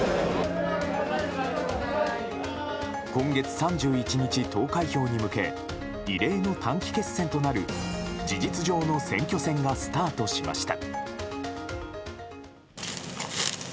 今月３１日、投開票に向け異例の短期決戦となる事実上の選挙戦がスタートしました。